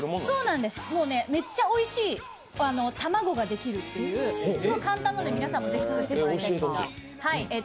そうなんです、めっちゃおいしい卵ができるっていうすごい簡単なので、皆さんもぜひ作ってみてください。